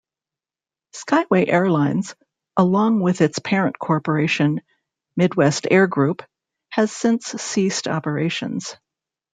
Skyway Airlines, along with its parent corporation, Midwest Air Group, has since ceased operations.